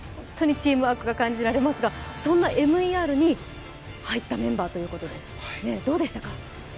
チームワークが感じられますがそんなＭＥＲに入ったメンバーということでどうでしたか？